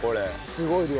すごい量。